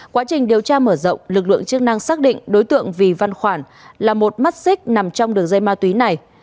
quá trình điều tra mở rộng lực lượng chức năng xác định đối tượng vì văn khoản là một mắt xích nằm trong đường dây ma túy này